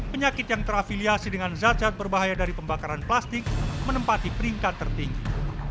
penyakit yang terafiliasi dengan zat zat berbahaya dari pembakaran plastik menempati peringkat tertinggi